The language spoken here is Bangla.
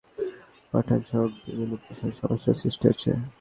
যার ফলে এসব বিদ্যালয়ে পাঠদানসহ বিভিন্ন প্রশাসনিক কাজে সমস্যার সৃষ্টি হচ্ছে।